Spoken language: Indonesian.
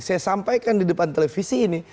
saya sampaikan di depan televisi ini